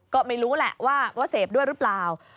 ก็ไม่รู้แหละว่าเสพด้วยหรือเปล่า